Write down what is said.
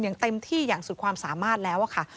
อย่างเต็มที่อย่างสุดความสามารถแล้วค่ะ